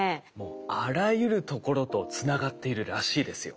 あらゆるところとつながっているらしいですよ。